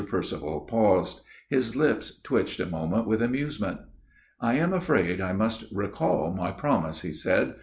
Percival paused ; his lips twitched a moment with amusement. " I am afraid I must recall my promise," he said.